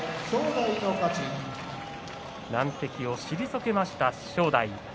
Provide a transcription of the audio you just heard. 難敵を退けました、正代。